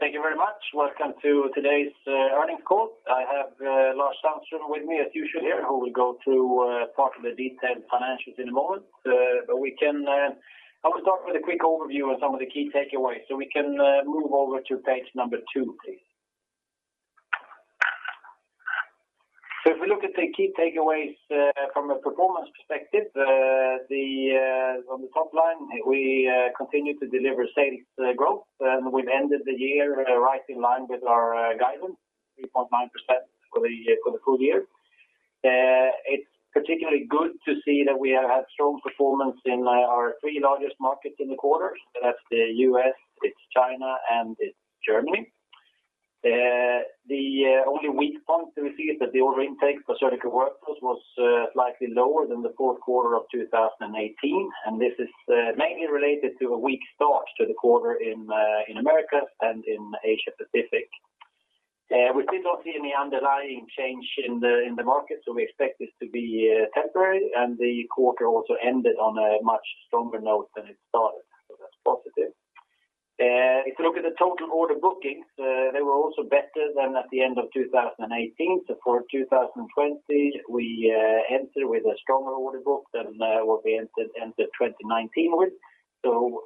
Thank you very much. Welcome to today's earnings call. I have Lars Sandström with me, as usual here, who will go through part of the detailed financials in a moment. I will start with a quick overview of some of the key takeaways, so we can move over to Page number two, please. If we look at the key takeaways from a performance perspective, from the top line, we continue to deliver sales growth, and we've ended the year right in line with our guidance, 3.9% for the full-year. It's particularly good to see that we have had strong performance in our three largest markets in the quarter. That's the U.S., it's China, and it's Germany. The only weak point we see is that the order intake for Surgical Workflows was slightly lower than the fourth quarter of 2018, and this is mainly related to a weak start to the quarter in America and in Asia Pacific. We still don't see any underlying change in the market, so we expect this to be temporary, and the quarter also ended on a much stronger note than it started, so that's positive. If you look at the total order bookings, they were also better than at the end of 2018. For 2020, we enter with a stronger order book than what we entered 2019 with.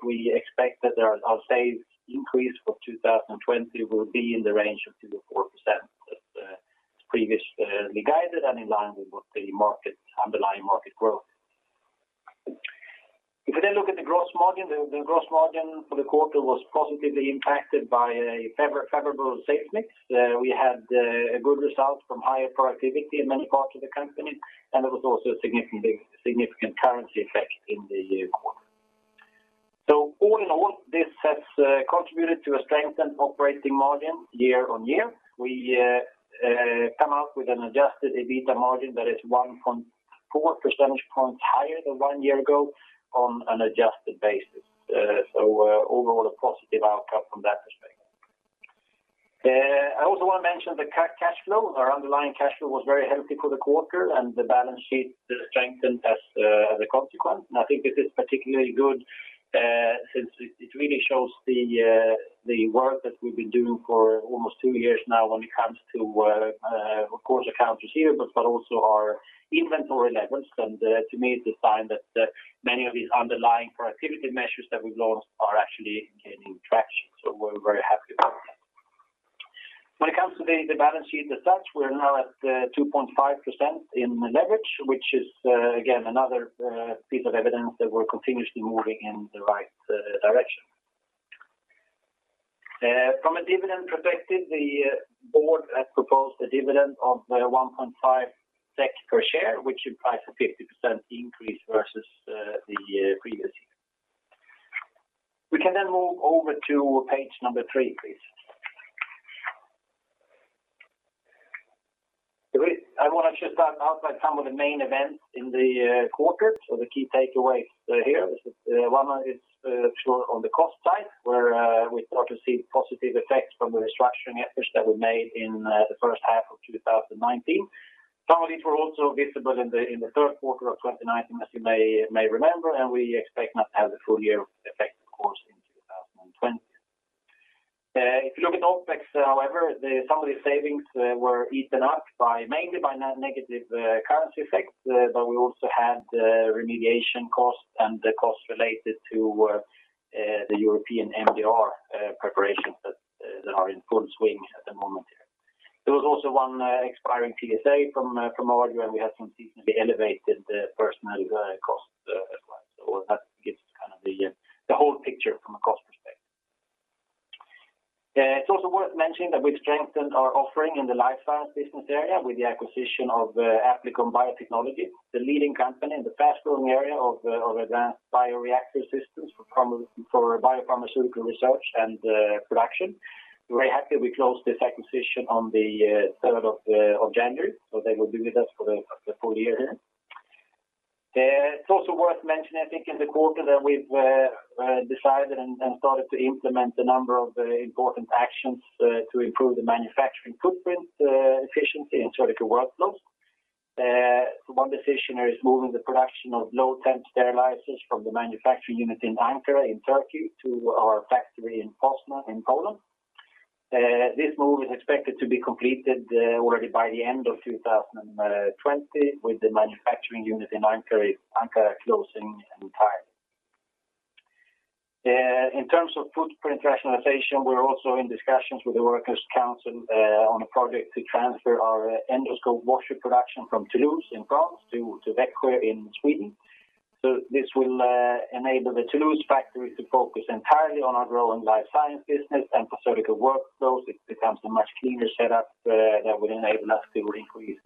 We expect that our sales increase for 2020 will be in the range of 2%-4%, as previously guided and in line with the underlying market growth. If we look at the gross margin, the gross margin for the quarter was positively impacted by a favorable sales mix. We had a good result from higher productivity in many parts of the company, there was also a significant currency effect in the quarter. All in all, this has contributed to a strengthened operating margin year-on-year. We come out with an adjusted EBITA margin that is 1.4 percentage points higher than one year ago on an adjusted basis. I also want to mention the cash flow. Our underlying cash flow was very healthy for the quarter, the balance sheet strengthened as a consequence. I think this is particularly good since it really shows the work that we've been doing for almost two years now when it comes to, of course, accounts receivable, but also our inventory levels. To me, it's a sign that many of these underlying productivity measures that we've launched are actually gaining traction. We're very happy about that. When it comes to the balance sheet as such, we're now at 2.5% in leverage, which is, again, another piece of evidence that we're continuously moving in the right direction. From a dividend perspective, the board has proposed a dividend of 1.5 SEK per share, which implies a 50% increase versus the previous year. We can move over to page number 3, please. I want to just outline some of the main events in the quarter. The key takeaways here. One is on the cost side, where we start to see positive effects from the restructuring efforts that we made in the first half of 2019. Some of these were also visible in the third quarter of 2019, as you may remember. We expect now to have the full year effect, of course, in 2020. If you look at OpEx, however, some of these savings were eaten up mainly by negative currency effects. We also had remediation costs and the costs related to the European MDR preparation that are in full swing at the moment here. There was also one expiring TSA from August where we had some seasonally elevated personnel costs as well. That gives us the whole picture from a cost perspective. It's also worth mentioning that we've strengthened our offering in the Life Science business area with the acquisition of Applikon Biotechnology, the leading company in the fast-growing area of advanced bioreactor systems for biopharmaceutical research and production. We're very happy we closed this acquisition on the 7th of January, they will be with us for the full year here. It's also worth mentioning, I think, in the quarter that we've decided and started to implement a number of important actions to improve the manufacturing footprint efficiency in Surgical Workflows. One decision is moving the production of low-temp sterilizers from the manufacturing unit in Ankara in Turkey to our factory in Poznań in Poland. This move is expected to be completed already by the end of 2020, with the manufacturing unit in Ankara closing entirely. In terms of footprint rationalization, we're also in discussions with the workers council on a project to transfer our endoscope washer production from Toulouse in France to Växjö in Sweden. This will enable the Toulouse factory to focus entirely on our growing Life Science business and for Surgical Workflows, it becomes a much cleaner setup that will enable us to increase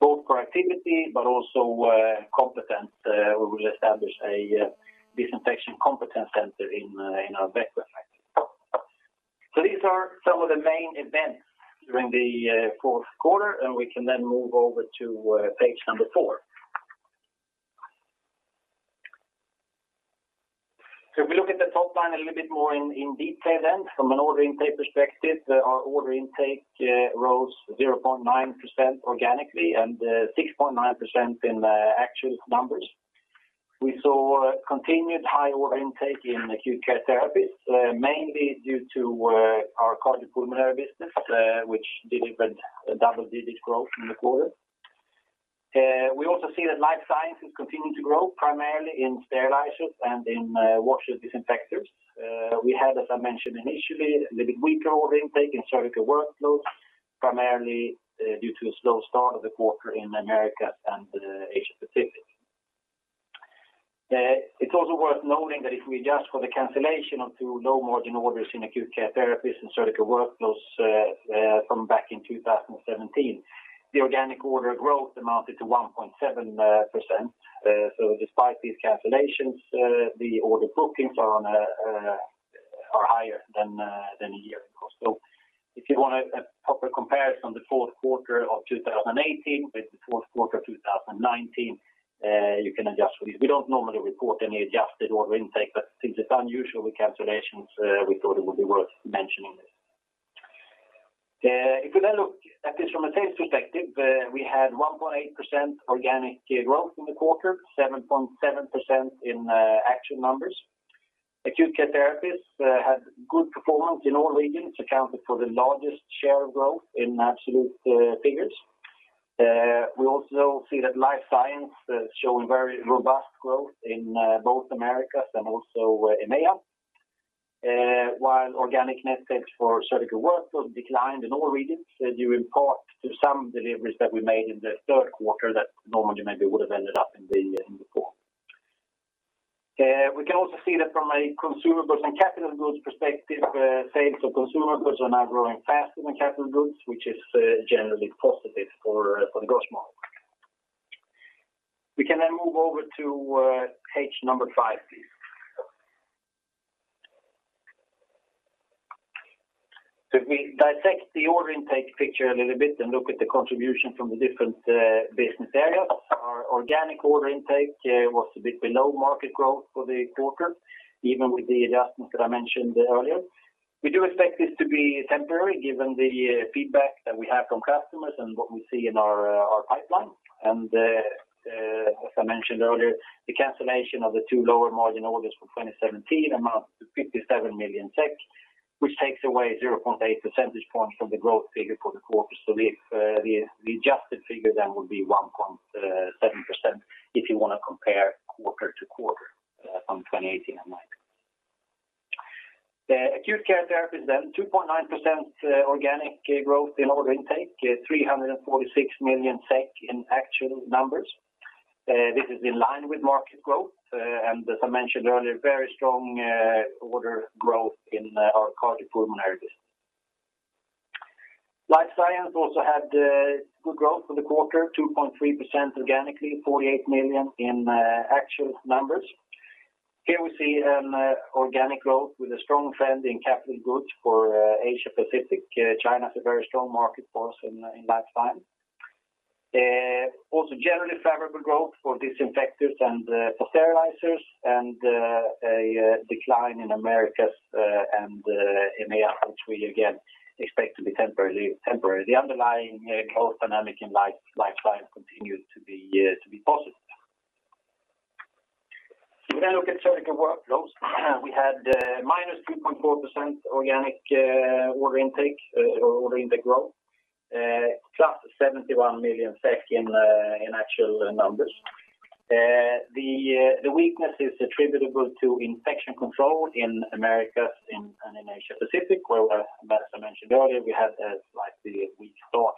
both productivity but also competence. We will establish a disinfection competence center in our Växjö factory. These are some of the main events during the fourth quarter, and we can then move over to Page number four. If we look at the top line a little bit more in detail then, from an order intake perspective, our order intake rose 0.9% organically and 6.9% in actual numbers. We saw continued high order intake in Acute Care Therapies, mainly due to our cardiopulmonary business, which delivered double-digit growth in the quarter. We also see that Life Science is continuing to grow, primarily in sterilizers and in washer disinfectors. We had, as I mentioned initially, a little weaker order intake in Surgical Workflows, primarily due to a slow start of the quarter in Americas and Asia Pacific. It's also worth noting that if we adjust for the cancellation of two low-margin orders in Acute Care Therapies and Surgical Workflows from back in 2017, the organic order growth amounted to 1.7%. Despite these cancellations, the order bookings are higher than a year ago. If you want a proper comparison on the fourth quarter of 2018 with the fourth quarter of 2019, you can adjust for these. We don't normally report any adjusted order intake, but since it's unusual with cancellations, we thought it would be worth mentioning this. If we look at this from a sales perspective, we had 1.8% organic growth in the quarter, 7.7% in actual numbers. Acute Care Therapies had good performance in all regions, accounted for the largest share of growth in absolute figures. We also see that Life Science showing very robust growth in both Americas and also EMEA. While organic net sales for Surgical Workflows declined in all regions due in part to some deliveries that we made in the third quarter that normally maybe would have ended up in the fourth. We can also see that from a consumer goods and capital goods perspective, sales of consumer goods are now growing faster than capital goods, which is generally positive for the Getinge model. We can move over to Page number five, please. If we dissect the order intake picture a little bit and look at the contribution from the different business areas, our organic order intake was a bit below market growth for the quarter, even with the adjustments that I mentioned earlier. We do expect this to be temporary given the feedback that we have from customers and what we see in our pipeline. As I mentioned earlier, the cancellation of the two lower margin orders from 2017 amount to 57 million, which takes away 0.8 percentage points from the growth figure for the quarter. The adjusted figure would be 1.7%, if you want to compare quarter-to-quarter from 2018 and 2019. The Acute Care Therapies, 2.9% organic growth in order intake, 346 million SEK in actual numbers. This is in line with market growth. As I mentioned earlier, very strong order growth in our cardiopulmonary business. Life Science also had good growth for the quarter, 2.3% organically, 48 million in actual numbers. Here we see an organic growth with a strong trend in capital goods for Asia Pacific. China is a very strong market for us in Life Science. Generally favorable growth for disinfectors and for sterilizers and a decline in Americas and EMEA, which we again expect to be temporary. The underlying growth dynamic in Life Science continues to be positive. If we look at Surgical Workflows, we had -2.4% organic order intake growth, SEK +71 million in actual numbers. The weakness is attributable to infection control in Americas and in Asia Pacific, where, as I mentioned earlier, we had a slightly weak start.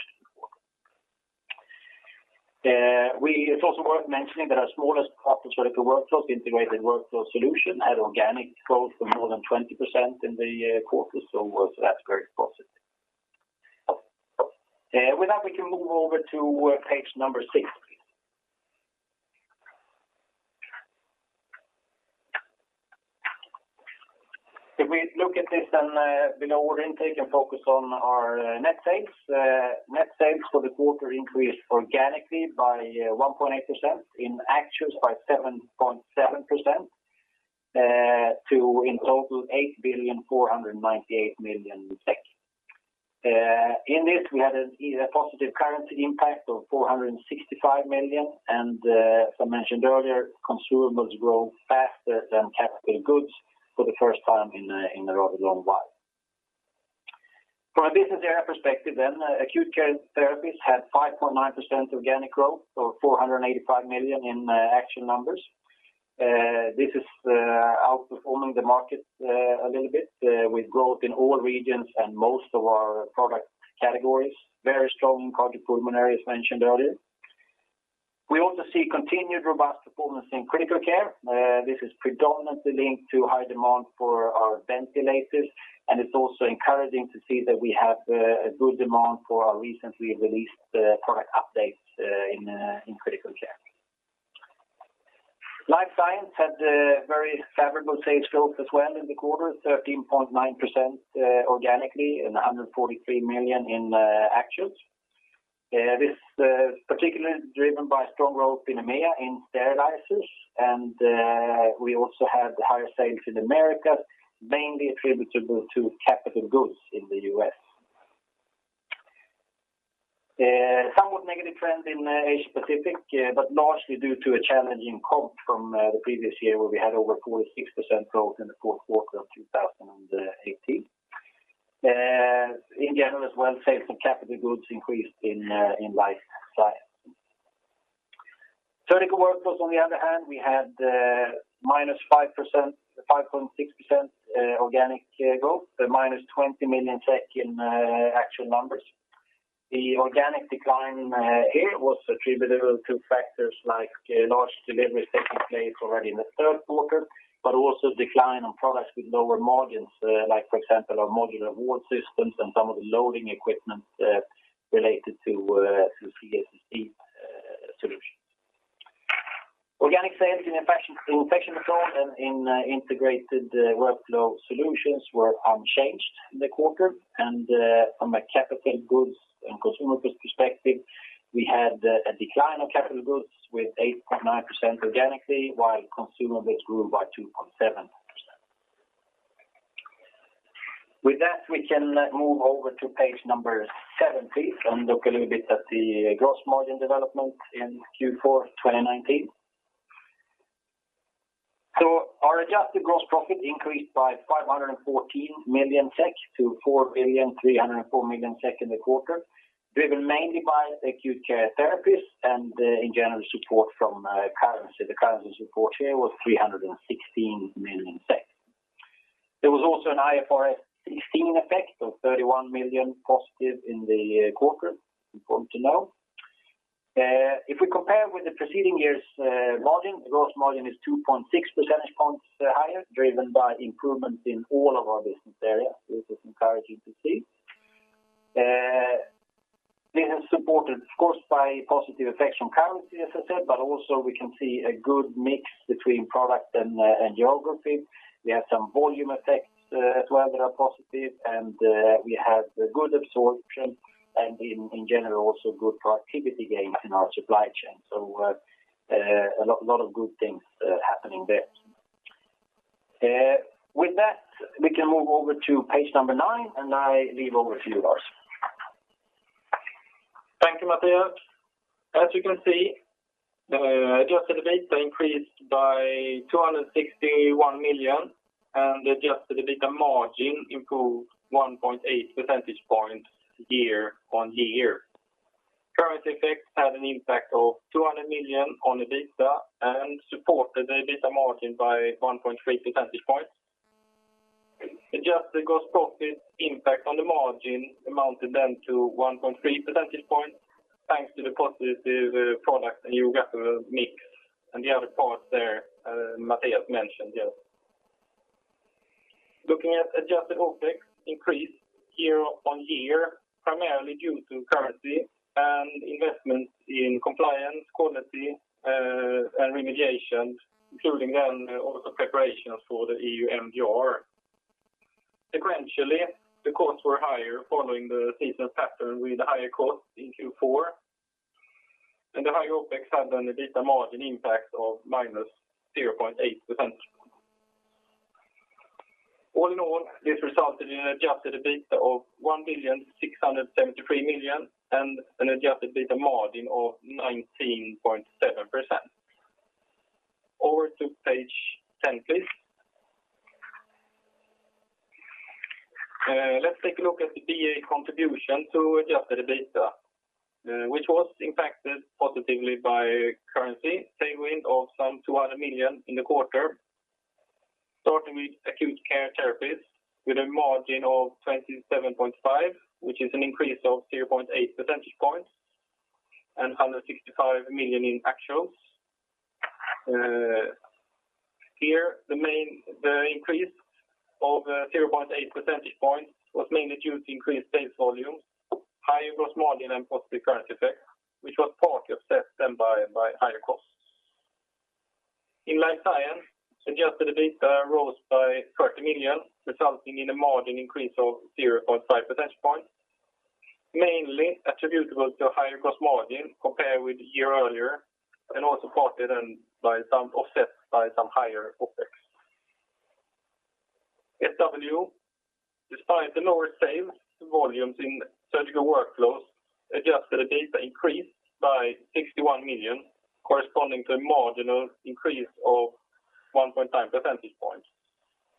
It's also worth mentioning that our smallest part of Surgical Workflows, Integrated Workflow Solution, had organic growth of more than 20% in the quarter. That's very positive. With that, we can move over to Page number six, please. If we look at this below order intake and focus on our net sales. Net sales for the quarter increased organically by 1.8%, in actuals by 7.7% to, in total, 8.498 billion SEK. In this, we had a positive currency impact of 465 million and, as I mentioned earlier, consumables grew faster than capital goods for the first time in a rather long while. From a business area perspective, Acute Care Therapies had 5.9% organic growth or 485 million in actual numbers. This is outperforming the market a little bit with growth in all regions and most of our product categories. Very strong in cardiopulmonary, as mentioned earlier. We also see continued robust performance in critical care. This is predominantly linked to high demand for our ventilators, and it's also encouraging to see that we have a good demand for our recently released product updates in critical care. Life Science had very favorable sales growth as well in the quarter, 13.9% organically and 143 million in actuals. This is particularly driven by strong growth in EMEA in sterilizers, and we also have higher sales in Americas, mainly attributable to capital goods in the U.S. Somewhat negative trend in Asia Pacific, but largely due to a challenging comp from the previous year, where we had over 46% growth in the fourth quarter of 2018. In general as well, sales of capital goods increased in Life Science. Surgical Workflows, on the other hand, we had -5.6% organic growth, -20 million in actual numbers. The organic decline here was attributable to factors like large deliveries taking place already in the third quarter, but also decline on products with lower margins. Like for example, our modular room systems and some of the loading equipment related to CSSD solutions. Organic sales in infection control and in Integrated Workflow Solutions were unchanged in the quarter. From a capital goods and consumables perspective, we had a decline of capital goods with 8.9% organically, while consumables grew by 2.7%. With that, we can move over to Page number seven, please, and look a little bit at the gross margin development in Q4 2019. Our adjusted gross profit increased by 514 million SEK to 4.304 billion SEK in the quarter, driven mainly by Acute Care Therapies and in general support from currency. The currency support here was 316 million SEK. There was also an IFRS 16 effect of 31 million positive in the quarter. Important to know. If we compare with the preceding year's margin, the gross margin is 2.6 percentage points higher, driven by improvement in all of our business areas, which is encouraging to see. This is supported, of course, by positive effects from currency, as I said, but also we can see a good mix between product and geography. We have some volume effects as well that are positive, and we have good absorption and in general, also good productivity gains in our supply chain. A lot of good things happening there. With that, we can move over to Page number nine, and I leave over to you, Lars. Thank you, Mattias. As you can see, adjusted EBITA increased by 261 million and adjusted EBITA margin improved 1.8 percentage points year-on-year. Currency effects had an impact of 200 million on EBITA and supported the EBITA margin by 1.3 percentage points. Adjusted gross profit impact on the margin amounted to 1.3 percentage points, thanks to the positive product and geographical mix and the other parts Mattias mentioned just. Looking at adjusted OpEx increase year-on-year, primarily due to currency and investments in compliance, quality, and remediation, including also preparations for the EU MDR. Sequentially, the costs were higher following the seasonal pattern with higher costs in Q4. The higher OpEx had an EBITA margin impact of -0.8%. All in all, this resulted in an adjusted EBITA of 1.673 billion and an adjusted EBITA margin of 19.7%. Over to Page 10, please. Let's take a look at the BA contribution to adjusted EBITA, which was impacted positively by currency tailwind of some 200 million in the quarter. Starting with Acute Care Therapies with a margin of 27.5%, which is an increase of 0.8 percentage points and 165 million in actuals. Here, the increase of 0.8 percentage points was mainly due to increased sales volumes, higher gross margin and positive currency effects, which was partly offset then by higher costs. In Life Science, adjusted EBITA rose by 30 million, resulting in a margin increase of 0.5 percentage points, mainly attributable to higher gross margin compared with a year earlier, and also partly then offset by some higher OpEx. SW, despite the lower sales volumes in Surgical Workflows, adjusted EBITA increased by 61 million, corresponding to a marginal increase of 1.9 percentage points,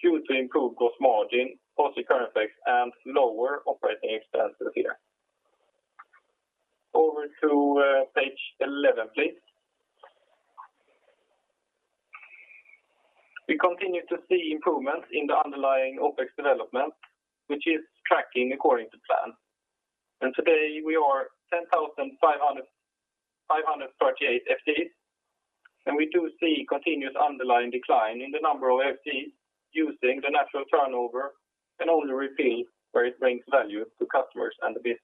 due to improved gross margin, positive currency effects, and lower operating expenses here. Over to Page 11, please. We continue to see improvements in the underlying OpEx development, which is tracking according to plan. Today we are 10,538 FTEs, we do see continuous underlying decline in the number of FTEs using the natural turnover and only refill where it brings value to customers and the business.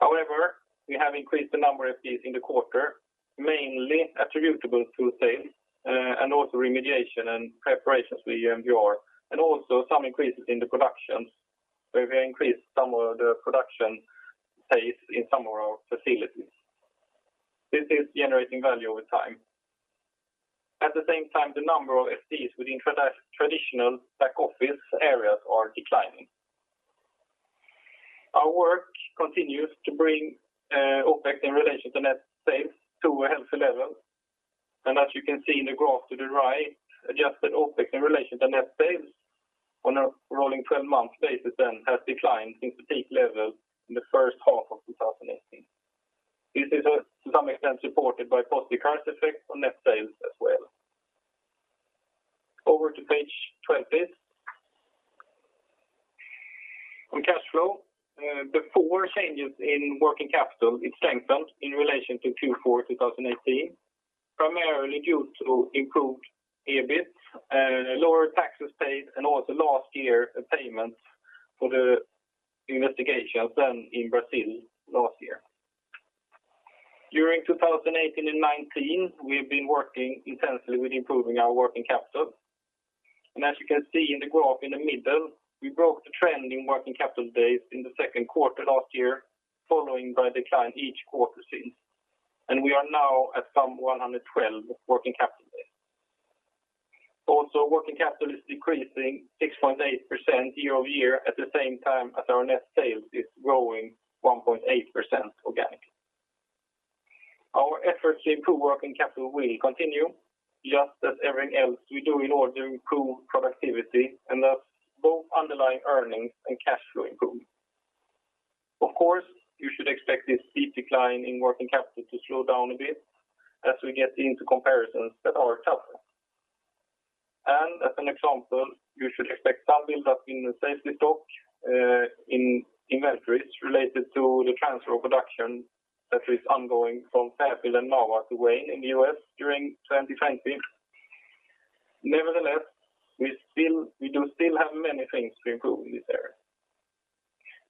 However, we have increased the number of FTEs in the quarter, mainly attributable to sales and also remediation and preparations for the MDR and also some increases in the production. We have increased some of the production pace in some of our facilities. This is generating value over time. At the same time, the number of FTEs within traditional back-office areas are declining. Our work continues to bring OpEx in relation to net sales to a healthy level. As you can see in the graph to the right, adjusted OpEx in relation to net sales on a rolling 12-month basis then has declined since the peak level in the first half of 2018. This is to some extent supported by positive currency effects on net sales as well. Over to Page 12. On cash flow, before changes in working capital, it strengthened in relation to Q4 2018, primarily due to improved EBIT, lower taxes paid, and also last year a payment for the investigations done in Brazil last year. During 2018 and 2019, we've been working intensely with improving our working capital. As you can see in the graph in the middle, we broke the trend in working capital days in the second quarter last year, followed by a decline each quarter since. We are now at some 112 working capital days. Also, working capital is decreasing 6.8% year-over-year at the same time as our net sales is growing 1.8% organically. Our efforts to improve working capital will continue, just as everything else we do in order to improve productivity, and thus both underlying earnings and cash flow improve. Of course, you should expect this steep decline in working capital to slow down a bit as we get into comparisons that are tougher. As an example, you should expect some build-up in safety stock inventories related to the transfer of production that is ongoing from Fairfield and Mahwah to Wayne in the U.S. during 2020. Nevertheless, we do still have many things to improve in this area.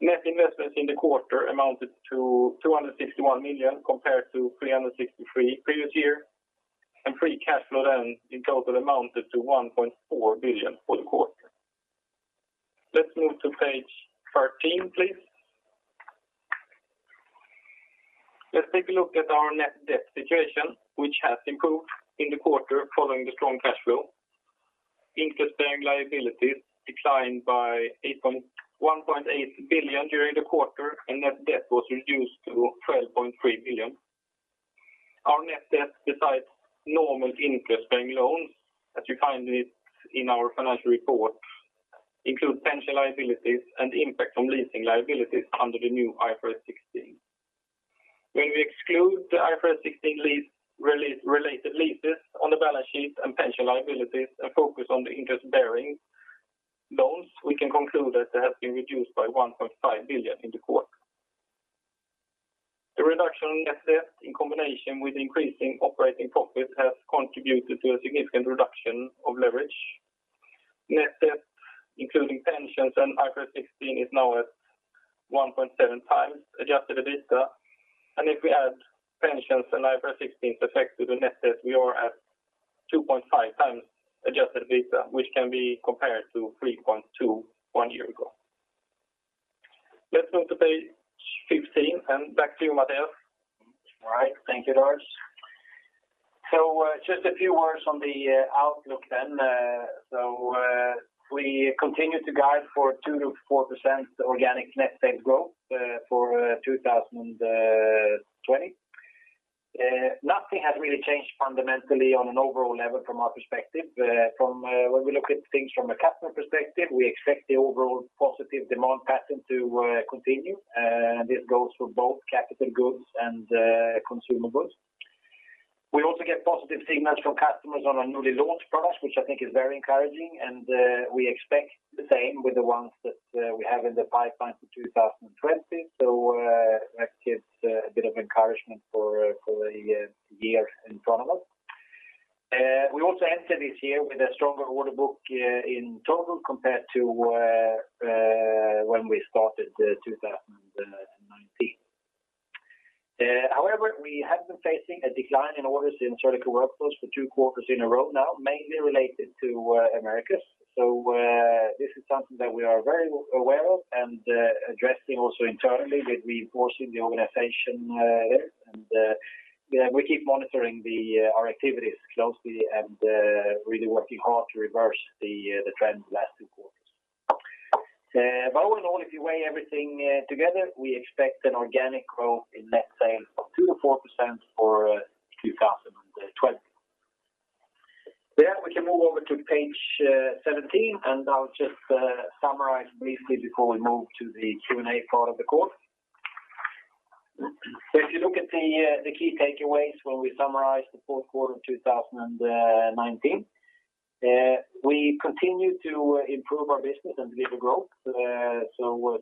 Net investments in the quarter amounted to 261 million compared to 363 previous year, and free cash flow then in total amounted to 1.4 billion for the quarter. Let's move to Page 13, please. Let's take a look at our net debt situation, which has improved in the quarter following the strong cash flow. Interest-bearing liabilities declined by 1.8 billion during the quarter, and net debt was reduced to 12.3 billion. Our net debt, besides normal interest-bearing loans, as you find it in our financial report, includes pension liabilities and impact from leasing liabilities under the new IFRS 16. When we exclude the IFRS 16 lease related leases on the balance sheet and pension liabilities, and focus on the interest-bearing loans, we can conclude that they have been reduced by 1.5 billion in the quarter. The reduction in net debt in combination with increasing operating profit has contributed to a significant reduction of leverage. Net debt, including pensions and IFRS 16, is now at 1.7x adjusted EBITA. If we add pensions and IFRS 16 effect to the net debt, we are at 2.5x adjusted EBITA, which can be compared to 3.2x one year ago. Let's move to page 15, and back to you, Mattias. All right. Thank you, Lars. Just a few words on the outlook. We continue to guide for 2%-4% organic net sales growth for 2020. Nothing has really changed fundamentally on an overall level from our perspective. When we look at things from a customer perspective, we expect the overall positive demand pattern to continue. This goes for both capital goods and consumer goods. We also get positive signals from customers on our newly launched products, which I think is very encouraging, and we expect the same with the ones that we have in the pipeline for 2020. That gives a bit of encouragement for the year in front of us. We also enter this year with a stronger order book in total compared to when we started 2019. We have been facing a decline in orders in Surgical Workflows for two quarters in a row now, mainly related to Americas. This is something that we are very aware of and addressing also internally with reinforcing the organization there. We keep monitoring our activities closely and really working hard to reverse the trends the last two quarters. All in all, if you weigh everything together, we expect an organic growth in net sales of 2%-4% for 2020. With that, we can move over to Page 17, and I'll just summarize briefly before we move to the Q&A part of the call. If you look at the key takeaways when we summarize the fourth quarter of 2019, we continue to improve our business and deliver growth. 2%-4%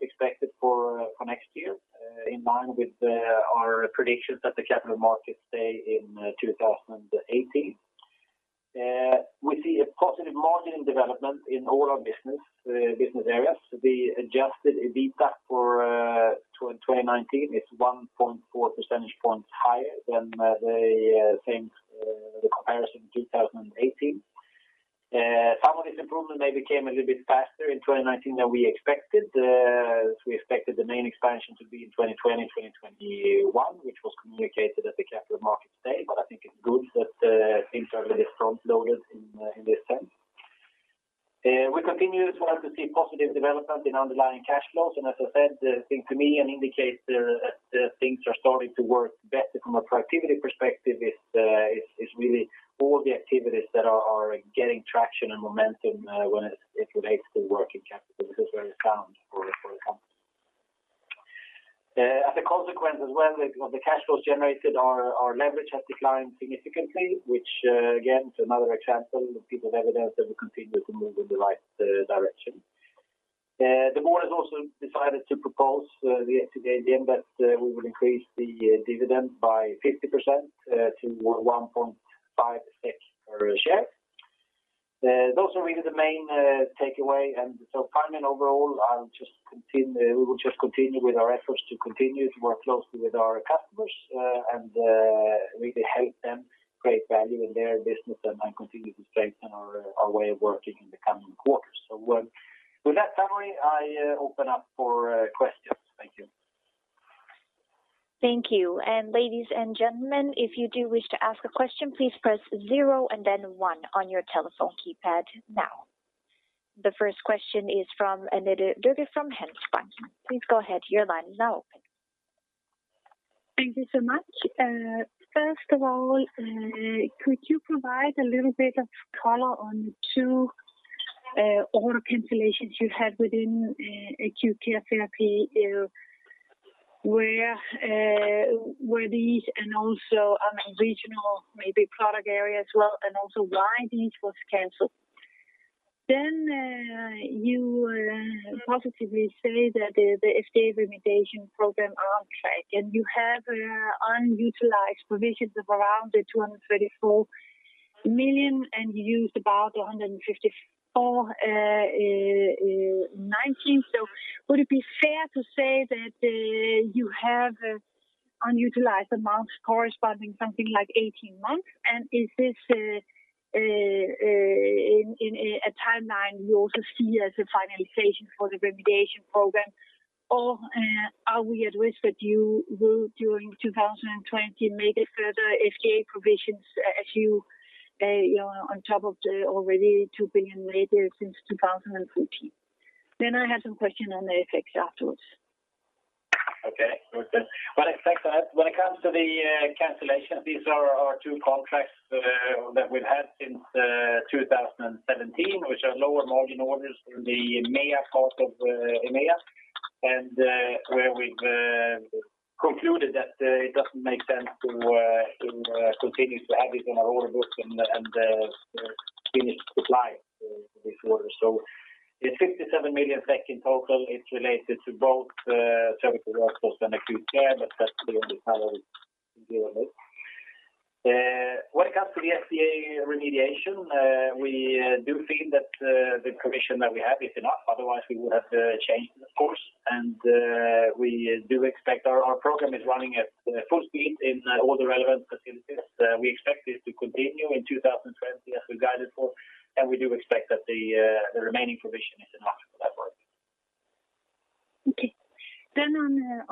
expected for next year, in line with our predictions at the Capital Markets Day in 2018. We see a positive margin development in all our business areas. The adjusted EBITA for 2019 is 1.4 percentage points higher than the comparison 2018. Some of this improvement maybe came a little bit faster in 2019 than we expected. We expected the main expansion to be in 2020, 2021, which was communicated at the Capital Markets Day. I think it's good that things are a little front-loaded in this sense. We continue as well to see positive development in underlying cash flows. As I said, the thing to me that indicates that things are starting to work better from a productivity perspective is really all the activities that are getting traction and momentum when it relates to working capital. This is very sound for the company. As a consequence as well, the cash flows generated, our leverage has declined significantly, which again is another example of evidence that we continue to move in the right direction. The board has also decided to propose the AGM again that we will increase the dividend by 50% to 1.50 per share. Those are really the main takeaway. Finally, overall, we will just continue with our efforts to continue to work closely with our customers and really help them create value in their business and continue to strengthen our way of working in the coming quarters. With that summary, I open up for questions. Thank you. Thank you. Ladies and gentlemen, if you do wish to ask a question, please press zero and then one on your telephone keypad now. The first question is from Annette Lykke from Handelsbanken. Please go ahead. Your line is now open. Thank you so much. First of all, could you provide a little bit of color on the two order cancellations you had within Acute Care Therapies? Where were these? Also on a regional, maybe product area as well, and also why these were canceled. You positively say that the AGM remediation program are on track, and you have unutilized provisions of around 234 million, and you used about 154 million in 2019. Would it be fair to say that you have unutilized amounts corresponding something like 18 months? Is this in a timeline you also see as a finalization for the remediation program? Are we at risk that you will, during 2020, make further FDA provisions on top of the already 2 billion made there since 2014? I have some question on the FX afterwards. Okay. Good. Well, thanks for that. When it comes to the cancellation, these are our two contracts that we've had since 2017, which are lower margin orders from the EMEA part of EMEA, where we've concluded that it doesn't make sense to continue to have it on our order book and finish supply for this order. The 57 million in total, it's related to both Surgical Workflows and Acute Care, that's the only time that we deal with it. When it comes to the AGM remediation, we do feel that the provision that we have is enough. Otherwise, we would have changed the course. Our program is running at full speed in all the relevant facilities. We expect this to continue in 2020 as we guided for, we do expect that the remaining provision is enough for that work.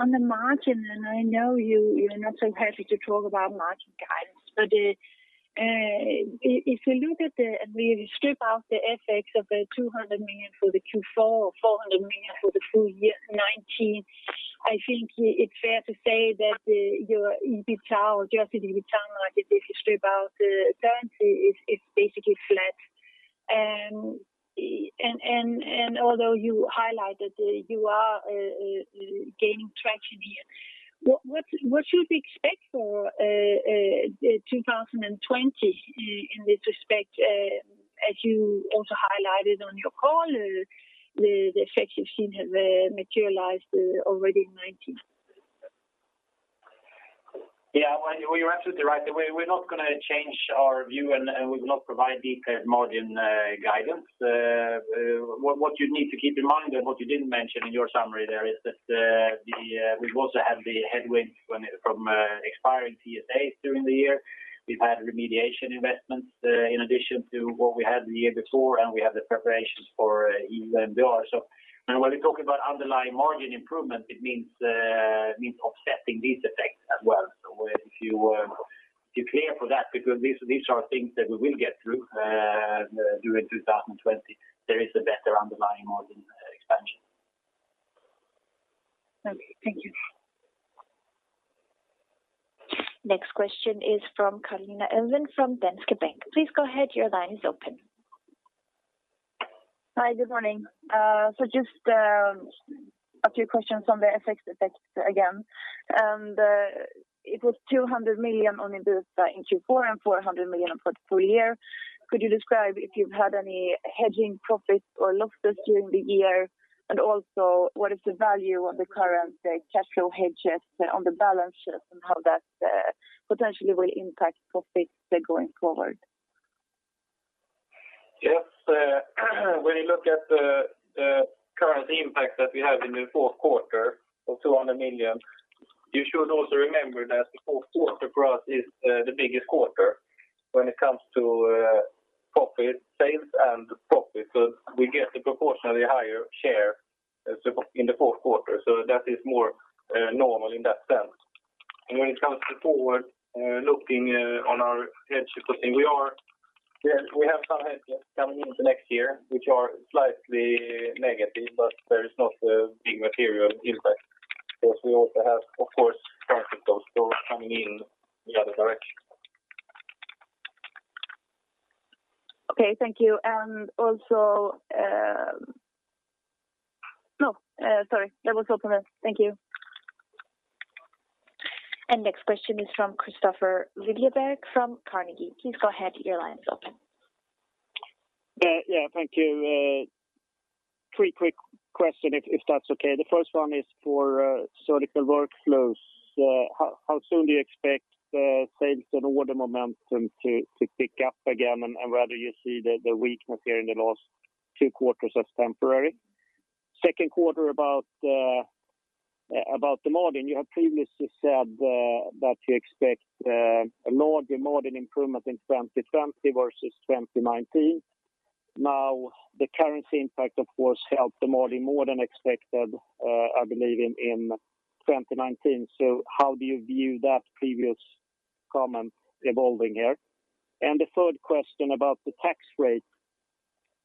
On the margin, I know you're not so happy to talk about margin guidance, if we look at and really strip out the effects of the 200 million for the Q4 or 400 million for the full-year 2019, I think it's fair to say that your EBITA or adjusted EBITA margin, if you strip out the currency, is basically flat. Although you highlighted you are gaining traction here, what should we expect for 2020 in this respect, as you also highlighted on your call, the effects you've seen have materialized already in 2019? Yeah. Well, you're absolutely right. We're not going to change our view, and we will not provide detailed margin guidance. What you need to keep in mind and what you didn't mention in your summary there is that we've also had the headwind from expiring TSAs during the year. We've had remediation investments in addition to what we had the year before, and we have the preparations for EU MDR. When we talk about underlying margin improvement, it means offsetting these effects as well. If you clear for that, because these are things that we will get through during 2020, there is a better underlying margin expansion. Okay. Thank you. Next question is from Carolina Elvind from Danske Bank. Please go ahead. Your line is open. Hi. Good morning. Just a few questions on the FX effects again. It was 200 million only this in Q4 and 400 million for the full-year. Could you describe if you've had any hedging profits or losses during the year? What is the value of the current cash flow hedges on the balance sheet and how that potentially will impact profits going forward? Yes. When you look at the current impact that we have in the fourth quarter of 200 million. You should also remember that the fourth quarter for us is the biggest quarter when it comes to profit sales and profit, so we get a proportionally higher share in the fourth quarter. That is more normal in that sense. When it comes to forward looking on our hedge booking, we have some hedges coming into next year which are slightly negative, but there is not a big material impact because we also have, of course, coming in the other direction. Okay, thank you. No, sorry. That was all for now. Thank you. Next question is from Kristofer Liljeberg from Carnegie. Please go ahead. Your line's open. Yeah. Thank you. Three quick question if that's okay. The first one is for Surgical Workflows. How soon do you expect sales and order momentum to pick up again? Whether you see the weakness here in the last two quarters as temporary. Second quarter about the margin. You have previously said that you expect a larger margin improvement in 2020 versus 2019. The currency impact, of course, helped the margin more than expected, I believe in 2019. How do you view that previous comment evolving here? The third question about the tax rate.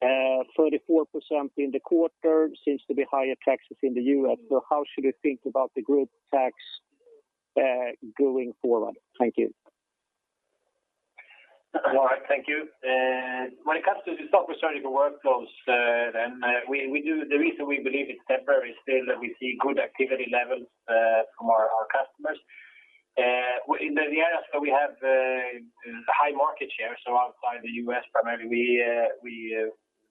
34% in the quarter seems to be higher taxes in the U.S. How should we think about the group tax going forward? Thank you. All right. Thank you. When it comes to the Surgical Workflows, the reason we believe it's temporary still that we see good activity levels from our customers. In the areas where we have high market share, outside the U.S. primarily,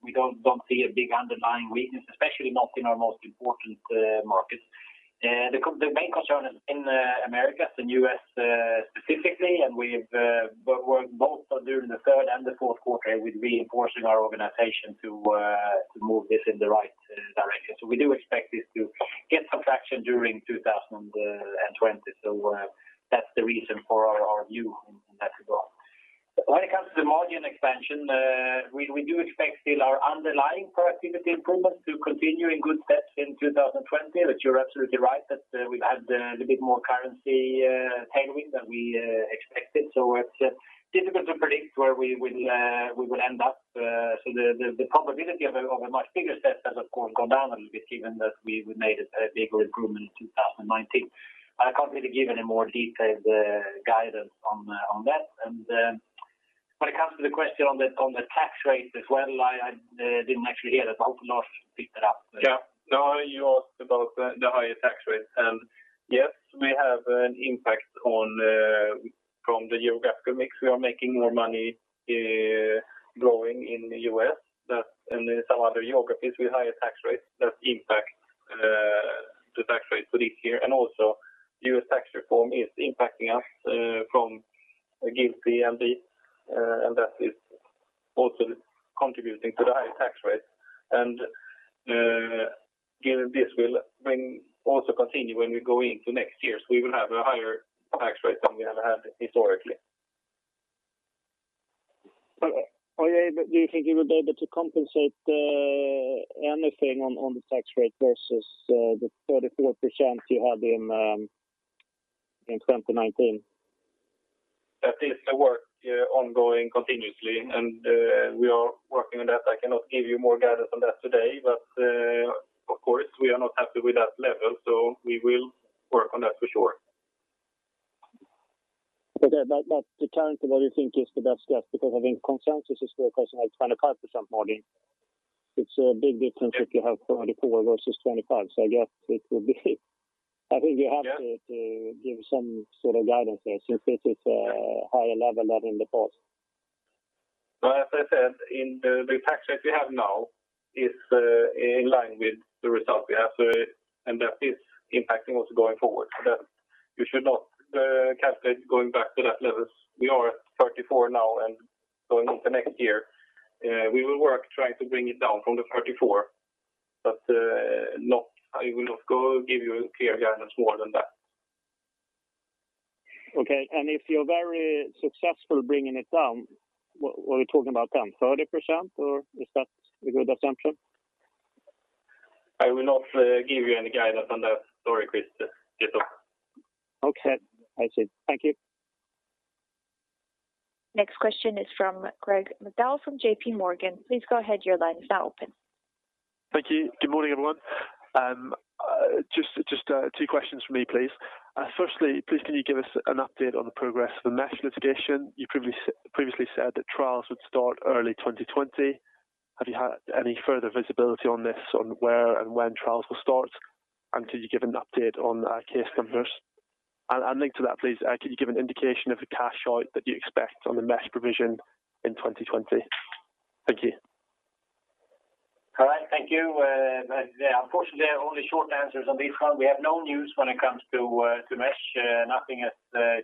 we don't see a big underlying weakness, especially not in our most important markets. The main concern is in the Americas, in U.S. specifically, we've worked both during the third and the fourth quarter with reinforcing our organization to move this in the right direction. We do expect this to get some traction during 2020. That's the reason for our view on that as well. When it comes to the margin expansion, we do expect still our underlying productivity improvements to continue in good steps in 2020. You're absolutely right that we've had a little bit more currency tailwind than we expected. It's difficult to predict where we will end up. The probability of a much bigger step has of course gone down a little bit given that we made a bigger improvement in 2019. I can't really give any more detailed guidance on that. When it comes to the question on the tax rate as well, I didn't actually hear that, but I hope Lars picked it up. Yeah. No, you asked about the higher tax rate. Yes, we have an impact from the geographical mix. We are making more money growing in the U.S. and in some other geographies with higher tax rates. That impacts the tax rate for this year. Also, U.S. tax reform is impacting us from GILTI and BEAT, and that is also contributing to the higher tax rates. Given this will also continue when we go into next year. We will have a higher tax rate than we have had historically. Okay. Do you think you will be able to compensate anything on the tax rate versus the 34% you had in 2019? That is a work ongoing continuously. We are working on that. I cannot give you more guidance on that today. Of course we are not happy with that level. We will work on that for sure. Okay. Currently what you think is the best guess? I think consensus is more closer to like 25% margin. It's a big difference if you have 34% versus 25%. I guess it will be I think you have to give some sort of guidance there since this is a higher level than in the past. As I said, the tax rate we have now is in line with the result we have, and that is impacting us going forward. You should not calculate going back to that level. We are at 34% now and going into next year, we will work trying to bring it down from the 34%. I will not go give you a clear guidance more than that. Okay. If you're very successful bringing it down, what are we talking about then? 30% or is that a good assumption? I will not give you any guidance on that, sorry Kristofer. It's off. Okay. I see. Thank you. Next question is from Craig McDowell from JPMorgan. Please go ahead. Thank you. Good morning, everyone. Just two questions from me, please. Firstly, please can you give us an update on the progress of the mesh litigation? You previously said that trials would start early 2020. Have you had any further visibility on this, on where and when trials will start? Could you give an update on case numbers? Linked to that please, could you give an indication of the cash out that you expect on the mesh provision in 2020? Thank you. All right. Thank you. Unfortunately, only short answers on this one. We have no news when it comes to mesh. Nothing has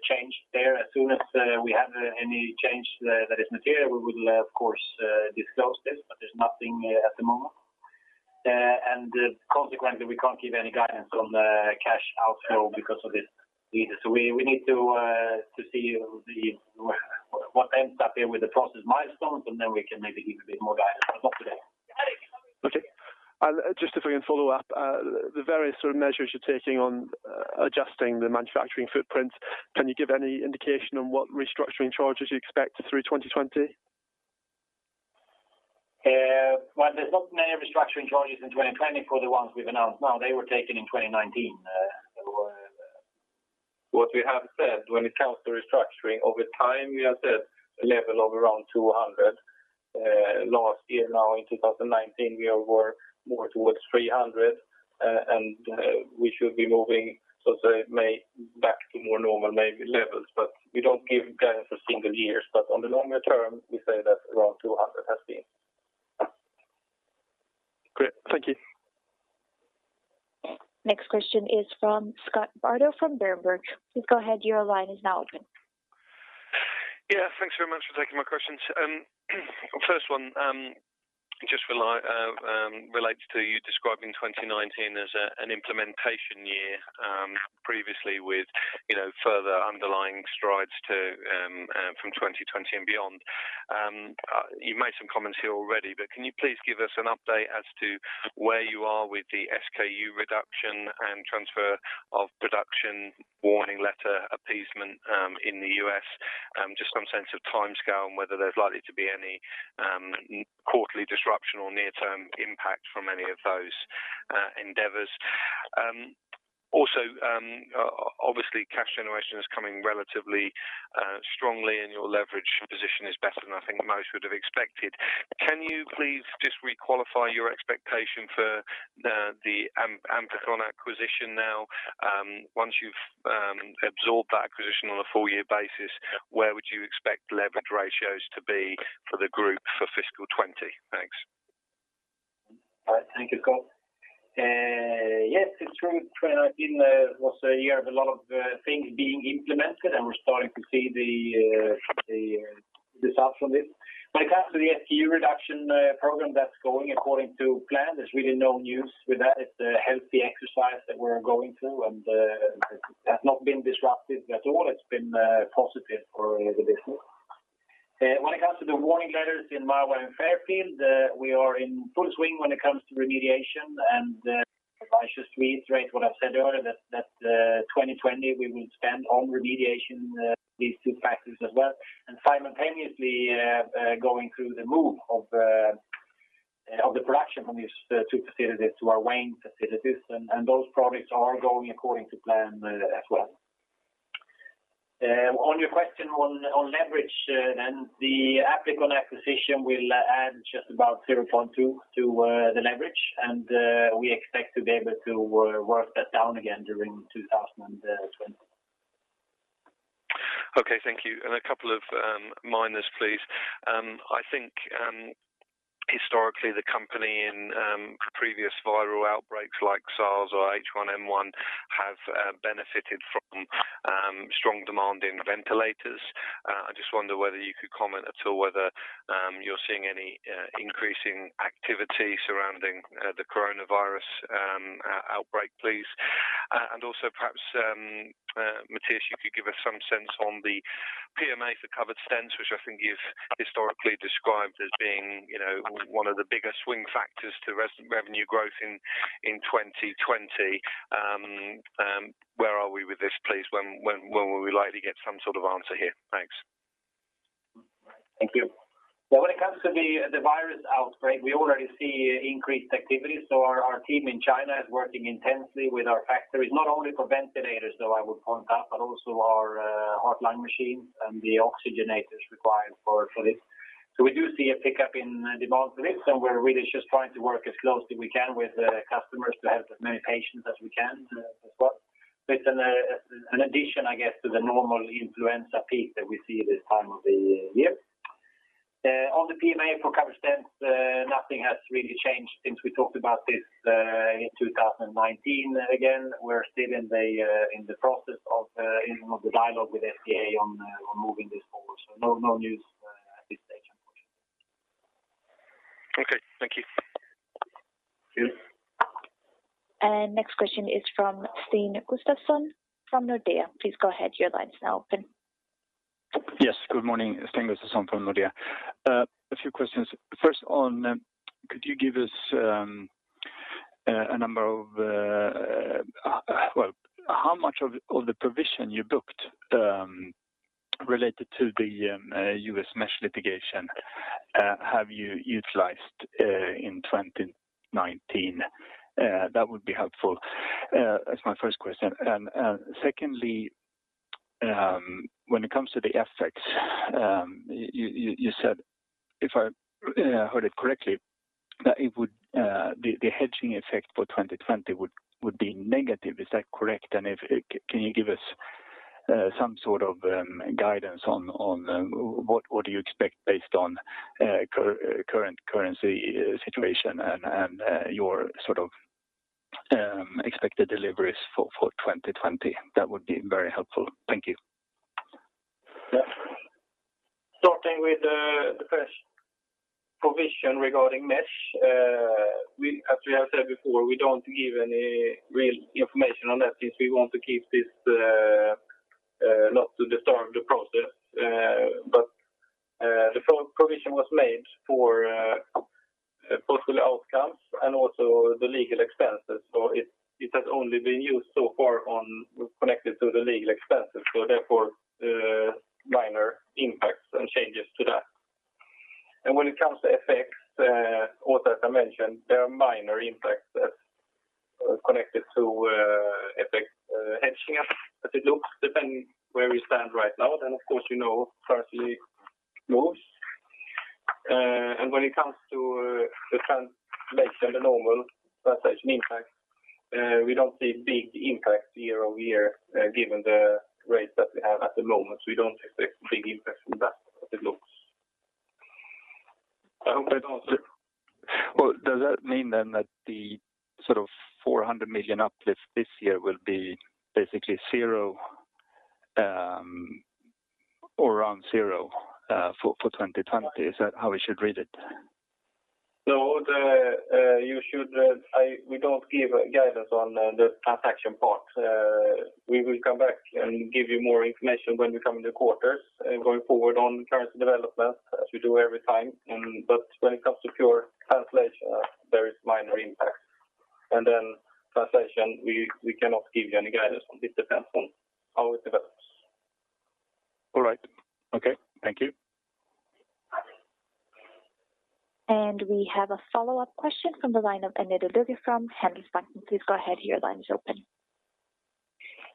changed there. As soon as we have any change that is material, we will of course disclose this. There's nothing at the moment. Consequently, we can't give any guidance on the cash outflow because of this either. We need to see what ends up here with the process milestones, and then we can maybe give a bit more guidance, but not today. Okay. Just if we can follow up, the various sort of measures you're taking on adjusting the manufacturing footprint, can you give any indication on what restructuring charges you expect through 2020? Well, there's not many restructuring charges in 2020 for the ones we've announced now. They were taken in 2019. What we have said when it comes to restructuring over time, we have said a level of around 200 million. Last year now in 2019, we were more towards 300 million, and we should be moving back to more normal maybe levels, but we don't give guidance for single years. On the longer-term, we say that around 200 million has been. Great. Thank you. Next question is from Scott Bardo from Berenberg. Please go ahead. Thanks very much for taking my questions. First one, just relates to you describing 2019 as an implementation year, previously with further underlying strides from 2020 and beyond. You've made some comments here already, can you please give us an update as to where you are with the SKU reduction and transfer of production warning letter appeasement in the U.S.? Just some sense of timescale and whether there's likely to be any quarterly disruption or near-term impact from any of those endeavors. Obviously, cash generation is coming relatively strongly and your leverage position is better than I think most would have expected. Can you please just re-qualify your expectation for the Applikon acquisition now? Once you've absorbed that acquisition on a full-year basis, where would you expect leverage ratios to be for the group for fiscal 2020? Thanks. All right. Thank you, Scott. Yes, it's true, 2019 was a year of a lot of things being implemented, and we're starting to see the results from this. When it comes to the SKU reduction program, that's going according to plan. There's really no news with that. It's a healthy exercise that we're going through, and it has not been disruptive at all. It's been positive for the business. When it comes to the warning letters in Mahwah, Fairfield, we are in full swing when it comes to remediation. If I should reiterate what I've said earlier, that 2020 we will spend on remediation these two facilities as well. Simultaneously going through the move of the production from these two facilities to our Wayne facilities, and those projects are going according to plan as well. On your question on leverage, then the Applikon acquisition will add just about 0.2 to the leverage, and we expect to be able to work that down again during 2020. Okay, thank you. A couple of minors, please. I think historically the company in previous viral outbreaks like SARS or H1N1 have benefited from strong demand in ventilators. I just wonder whether you could comment at all whether you're seeing any increasing activity surrounding the coronavirus outbreak, please. Also, perhaps, Mattias, you could give us some sense on the PMA for covered stents, which I think you've historically described as being one of the bigger swing factors to revenue growth in 2020. Where are we with this, please? When would we likely get some sort of answer here? Thanks. Thank you. Well, when it comes to the coronavirus outbreak, we already see increased activity. Our team in China is working intensely with our factories, not only for ventilators, though, I would point out, but also our heart-lung machines and the oxygenators required for this. We do see a pickup in demand for this, and we're really just trying to work as closely as we can with customers to help as many patients as we can as well. It's an addition, I guess, to the normal influenza peak that we see this time of the year. On the PMA for covered stents, nothing has really changed since we talked about this in 2019. Again, we're still in the process of the dialogue with FDA on moving this forward. No news at this stage, unfortunately. Okay, thank you. Thank you. Next question is from` Sten Gustafsson from Nordea. Please go ahead. Yes, good morning. Sten Gustafsson from Nordea. A few questions. First, could you give us how much of the provision you booked, related to the U.S. mesh litigation, have you utilized in 2019? That would be helpful as my first question. Secondly, when it comes to the FX, you said, if I heard it correctly, that the hedging effect for 2020 would be negative. Is that correct? Can you give us some sort of guidance on what do you expect based on current currency situation and your sort of expected deliveries for 2020? That would be very helpful. Thank you. Starting with the first provision regarding mesh. As we have said before, we don't give any real information on that since we want to keep this not to disturb the process. The provision was made for possible outcomes and also the legal expenses. It has only been used so far on connected to the legal expenses, therefore minor impacts and changes to that. When it comes to FX, also as I mentioned, there are minor impacts that are connected to FX hedging as it looks. Depending where we stand right now, of course you know currency moves. When it comes to the translation, the normal translation impact, we don't see big impacts year-over-year, given the rates that we have at the moment. We don't expect big impacts from that as it looks. I hope I've answered. Well, does that mean then that the 400 million uplift this year will be basically zero, or around zero for 2020? Is that how we should read it? No. We don't give guidance on the transaction part. We will come back and give you more information when we come in the quarters going forward on currency development as we do every time. When it comes to pure translation, there is minor impact. Then translation, we cannot give you any guidance on this. Depends on how it develops. All right. Okay. Thank you. We have a follow-up question from the line of Annette Lykke from Handelsbanken. Please go ahead. Your line is open.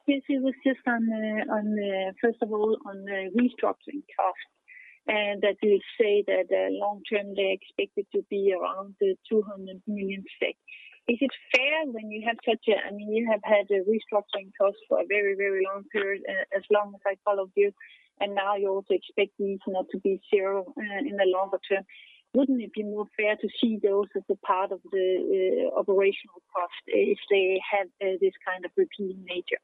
Yes. It was just first of all on the restructuring cost, that you say that long-term they expect it to be around 200 million. Is it fair when you have had a restructuring cost for a very long period, as long as I followed you, and now you also expect these now to be zero in the longer-term? Wouldn't it be more fair to see those as a part of the operational cost if they have this kind of repeating nature?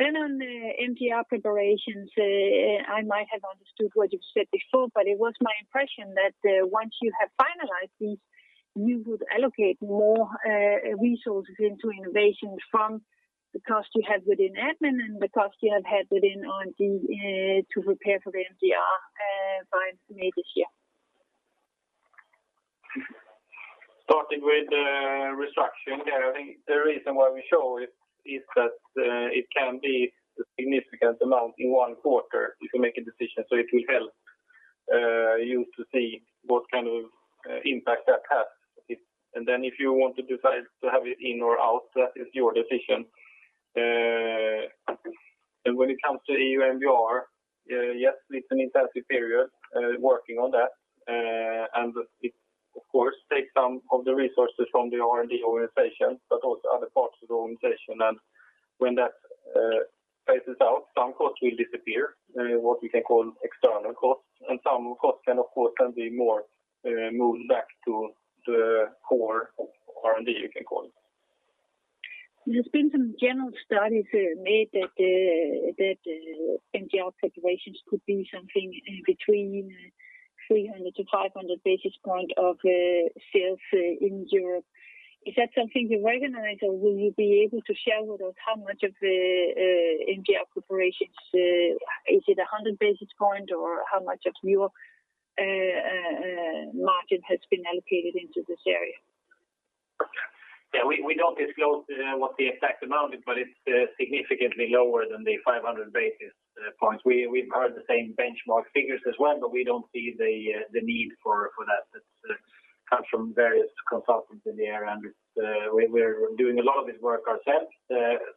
On the MDR preparations, I might have understood what you've said before, but it was my impression that once you have finalized these, you would allocate more resources into innovation from the cost you have within admin and the cost you have had within R&D to prepare for the MDR by May this year. Starting with restructuring there, I think the reason why we show it is that it can be a significant amount in one quarter if you make a decision. It will help you to see what kind of impact that has. If you want to decide to have it in or out, that is your decision. When it comes to EU MDR, yes, it's an intensive period working on that. It of course takes some of the resources from the R&D organization, but also other parts of the organization. When that phases out, some costs will disappear, what we can call external costs. Some costs can, of course, then be more moved back to the core R&D you can call it. There's been some general studies made that MDR preparations could be something between 300-500 basis points of sales in Europe. Is that something you recognize, or will you be able to share with us how much of the MDR preparations? Is it 100 basis points, or how much of your margin has been allocated into this area? Yeah, we don't disclose what the exact amount is, but it's significantly lower than the 500 basis points. We've heard the same benchmark figures as well, but we don't see the need for that. That comes from various consultants in the area, and we're doing a lot of this work ourselves.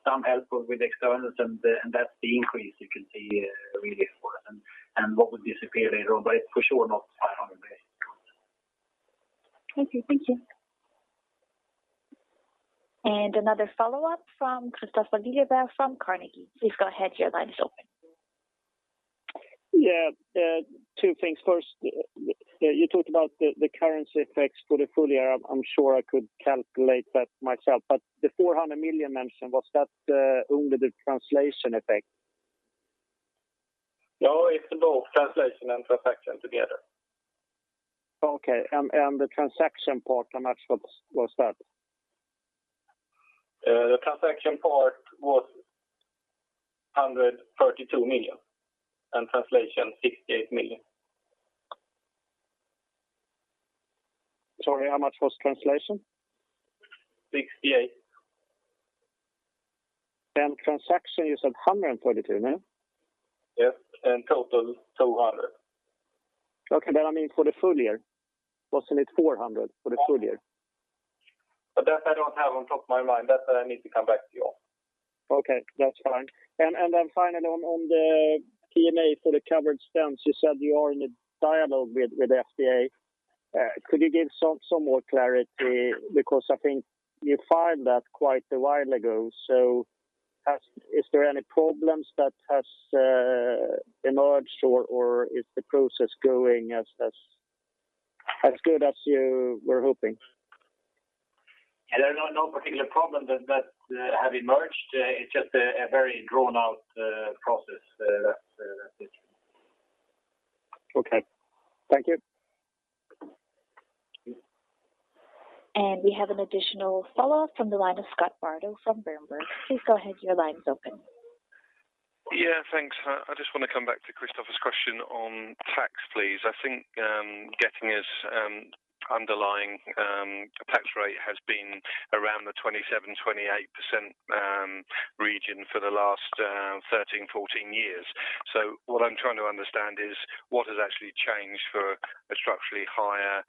Some help with externals, and that's the increase you can see really for it and what would disappear later on. It's for sure not 500 basis points. Okay. Thank you. Another follow-up from Kristofer Liljeberg from Carnegie. Please go ahead, your line is open. Yeah. Two things. First, you talked about the currency effects for the full year. I'm sure I could calculate that myself, but the 400 million mentioned, was that only the translation effect? No, it's both translation and transaction together. Okay. The transaction part, how much was that? The transaction part was 132 million, and translation 68 million. Sorry, how much was translation? 68 million. transaction you said 132, no? Yes. In total, 200 million. Okay. I mean for the full-year, wasn't it 400 million for the full-year? That I don't have on top of my mind. That I need to come back to you on. Okay. That's fine. Finally on the PMA for the covered stents, you said you are in a dialogue with FDA. Could you give some more clarity? I think you filed that quite a while ago. Is there any problems that has emerged, or is the process going as good as you were hoping? There are no particular problems that have emerged. It is just a very drawn-out process. That is it. Okay. Thank you. We have an additional follow-up from the line of Scott Bardo from Berenberg. Please go ahead. Your line's open. Yeah, thanks. I just want to come back to Kristofer's question on tax, please. I think Getinge's underlying tax rate has been around the 27%, 28% region for the last 13, 14 years. What I'm trying to understand is what has actually changed for a structurally higher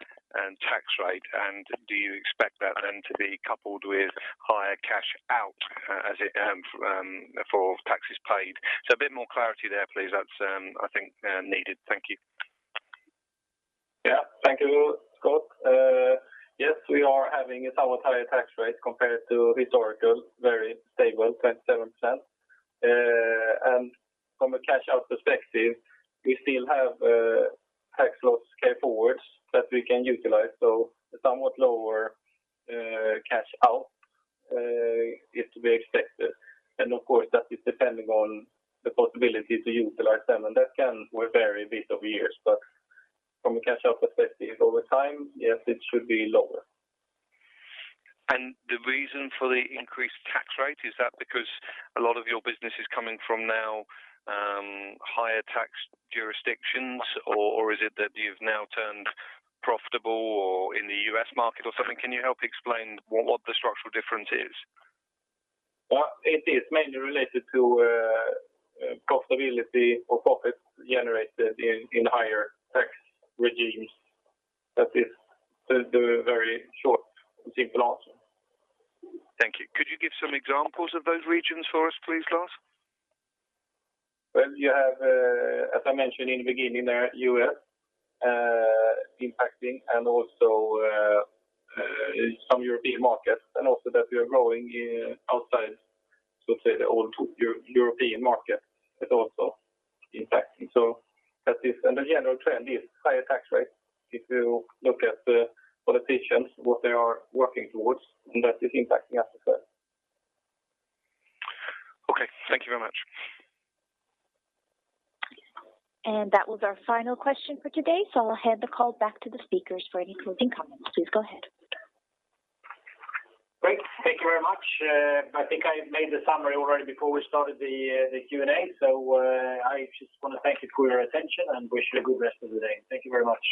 tax rate, and do you expect that then to be coupled with higher cash out for taxes paid? A bit more clarity there, please. That's, I think, needed. Thank you. Yeah. Thank you, Scott. We are having a somewhat higher tax rate compared to historical, very stable 27%. From a cash-out perspective, we still have tax loss carryforwards that we can utilize, somewhat lower cash out is to be expected. Of course, that is depending on the possibility to utilize them, that can vary a bit over years. From a cash-out perspective over time, yes, it should be lower. The reason for the increased tax rate, is that because a lot of your business is coming from now higher tax jurisdictions, or is it that you've now turned profitable or in the U.S. market or something? Can you help explain what the structural difference is? Well, it is mainly related to profitability or profits generated in higher tax regimes. That is the very short and simple answer. Thank you. Could you give some examples of those regions for us, please, Lars? Well, you have, as I mentioned in the beginning there, U.S. impacting, and also some European markets, and also that we are growing outside, so say, the old European market is also impacting. The general trend is higher tax rates. If you look at the politicians, what they are working towards, and that is impacting us as well. Okay. Thank you very much. That was our final question for today. I'll hand the call back to the speakers for any closing comments. Please go ahead. Great. Thank you very much. I think I made the summary already before we started the Q&A. I just want to thank you for your attention and wish you a good rest of the day. Thank you very much.